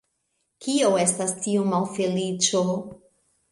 Kio estas tiu malfeliĉo?